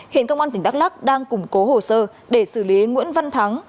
hiện công an tp hcm đang củng cố hồ sơ để xử lý nguyễn văn thắng